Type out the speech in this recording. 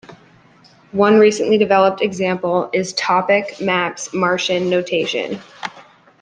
One recently developed example is Topic Maps Martian Notation.